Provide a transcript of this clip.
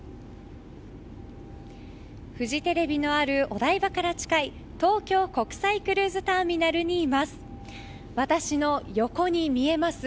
フジテレビのあるお台場から近い東京国際クルーズターミナルにいます。